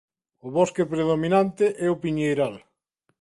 O bosque predominante é o piñeiral.